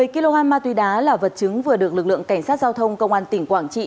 một mươi kg ma túy đá là vật chứng vừa được lực lượng cảnh sát giao thông công an tỉnh quảng trị